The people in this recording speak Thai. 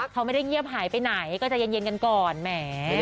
เขาไม่ได้เงียบหายไปไหนก็ใจเย็นกันก่อนแหม